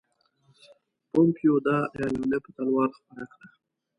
پومپیو دا اعلامیه په تلوار خپره کړه.